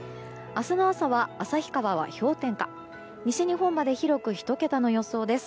明日の朝は、旭川は氷点下西日本まで広く１桁の予想です。